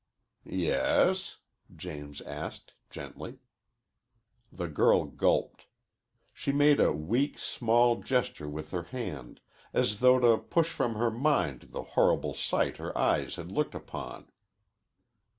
"Yes?" James asked, gently. The girl gulped. She made a weak, small gesture with her hand, as though to push from her mind the horrible sight her eyes had looked upon.